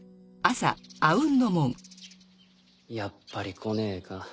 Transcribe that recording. やっぱり来ねえか。